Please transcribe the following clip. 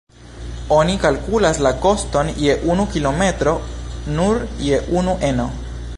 Oni kalkulas la koston je unu kilometro nur je unu eno.